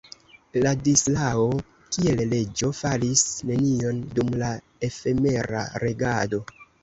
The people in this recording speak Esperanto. Ladislao, kiel reĝo, faris nenion dum la efemera regado.